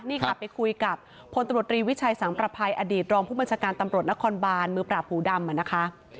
นี่ค่ะไปคุยกับพลตำรวจรีวิชัยสังประภัยอดีตรองผู้บัญชาการตำรวจนครบานมือปราบหูดำนะคะ